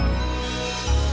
i ibu minggirin